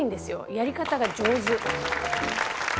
やり方が上手。